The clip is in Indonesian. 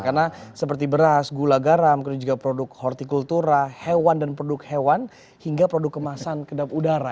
karena seperti beras gula garam kemudian juga produk hortikultura hewan dan produk hewan hingga produk kemasan kedap udara